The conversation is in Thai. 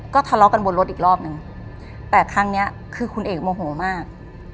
ก็ทะเลาะกันบนรถอีกรอบนึงแต่ครั้งนี้คือคุณเอกโมโหมาก